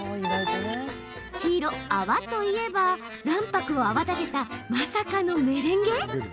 黄色・泡といえば卵白を泡立てたまさかのメレンゲ。